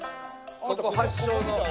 ここ発祥の。